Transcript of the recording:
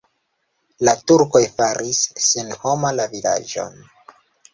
La turkoj faris senhoma la vilaĝon.